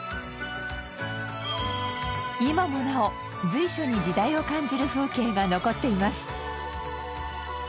今もなお随所に時代を感じる風景が残っています。